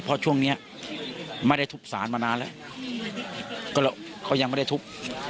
เพราะช่วงเนี้ยไม่ได้ทุบสารมานานแล้วก็เขายังไม่ได้ทุบ